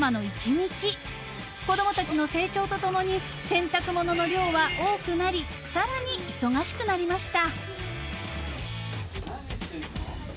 ［子供たちの成長と共に洗濯物の量は多くなりさらに忙しくなりました］